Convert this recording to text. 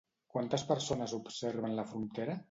Quantes persones observen la frontera?